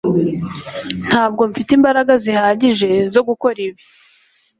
ntabwo mfite imbaraga zihagije zo gukora ibi